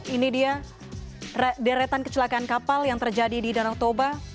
ini dia deretan kecelakaan kapal yang terjadi di danau toba